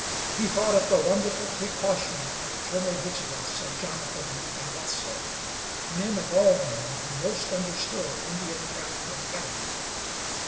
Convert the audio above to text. He thought of the wonderful precaution and eternal vigilance of Jonathan and Wetzel men of all men who most understood Indian craft and cunning.